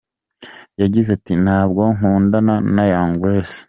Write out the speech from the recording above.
Yagize ati " Nabwo nkundana na Young Grace.